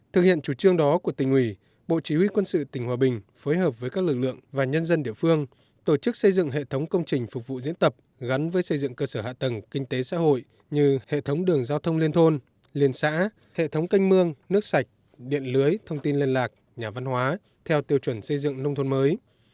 thực hiện chủ trương đó của tỉnh ủy bộ chỉ huy quân sự tỉnh hòa bình phối hợp với các lực lượng và nhân dân địa phương tổ chức xây dựng hệ thống công trình phục vụ diễn tập gắn với xây dựng cơ sở hạ tầng kinh tế xã hội như hệ thống đường giao thông liên thôn liên xã hệ thống canh mương nước sạch điện lưới thông tin liên lạc nhà văn hóa theo tiêu chuẩn xây dựng nông thôn mới